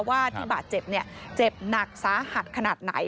ว่าที่บาดเจ็บเจ็บหนักสาหัสขนาดไหน